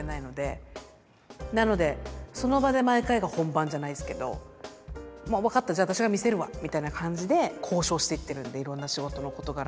なのでその場で毎回が本番じゃないですけどまあ分かったじゃあ私が見せるわみたいな感じで交渉していってるんでいろんな仕事の事柄を。